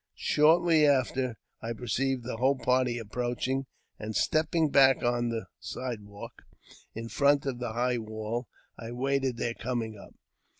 Shortly after, I perceived the whole party approaching, and, stepping back on the side walk in front of a high wall, I waited their coming up.